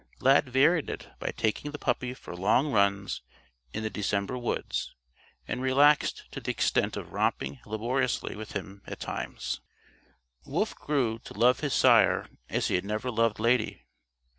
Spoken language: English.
Lad varied it by taking the puppy for long runs in the December woods and relaxed to the extent of romping laboriously with him at times. Wolf grew to love his sire as he had never loved Lady.